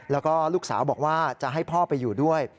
แล้วก็ลูกสาวบอกว่าจะให้พ่อไปอยู่ด้วย